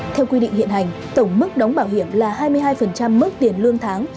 theo quy định hiện hành tổng mức đóng bảo hiểm là hai mươi hai mức tiền lương tháng